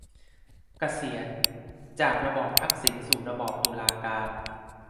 เกษียร : จากระบอบทักษิณสู่ระบอบตุลาการ